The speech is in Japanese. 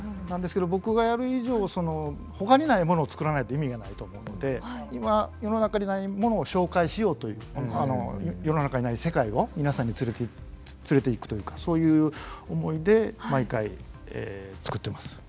なんですけど僕がやる以上他にないものをつくらないと意味がないと思うので今世の中にないものを紹介しようという世の中にない世界を皆さんに連れていくというかそういう思いで毎回つくってます。